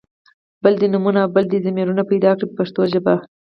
بله دې نومونه او بله دې ضمیرونه پیدا کړي په پښتو ژبه.